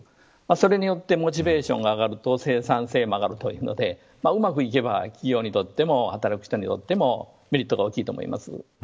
それによってモチベーションが上がると生産性も上がるというのでうまくいけば、企業にとっても働く人にとってもメリットが大きいと思います。